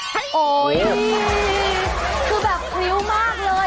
โอ๊ยคือแบบพริ้วมากเลย